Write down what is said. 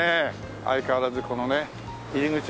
相変わらずこのね入り口が。